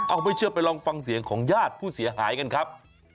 เอาไม่เชื่อไปลองฟังเสียงของญาติผู้เสียหายกันครับ